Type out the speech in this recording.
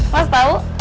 mas mas tahu